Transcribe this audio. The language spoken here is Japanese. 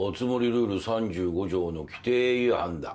ルール３５条の規定違反だ。